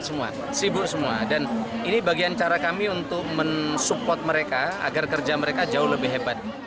sibur semua sibur semua dan ini bagian cara kami untuk men support mereka agar kerja mereka jauh lebih hebat